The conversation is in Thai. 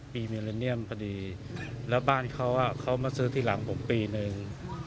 ปีเมริเนียมพอดีแล้วบ้านเขาอ่ะเขามาซื้อที่หลังผมปีหนึ่ง